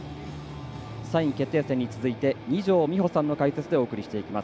３位決定戦に続いて二條実穂さんの解説でお伝えしていきます。